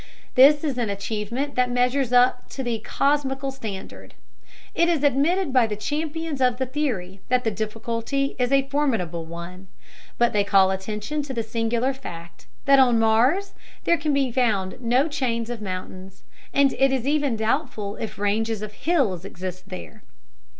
This is an achievement that measures up to the cosmical standard. It is admitted by the champions of the theory that the difficulty is a formidable one; but they call attention to the singular fact that on Mars there can be found no chains of mountains, and it is even doubtful if ranges of hills exist there.